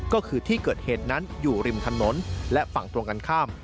ก็คือที่เกิดเหตุนั้นอยู่ริมถนนและฝั่งตรงกันข้าม